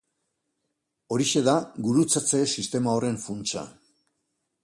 Horixe da gurutzatze-sistema horren funtsa.